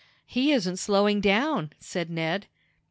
"He isn't slowing down," said Ned.